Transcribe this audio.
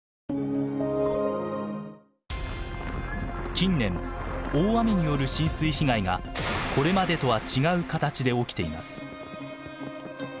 近年大雨による浸水被害がこれまでとは違う形で起きています。